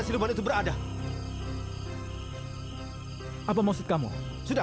semuanya habisi praja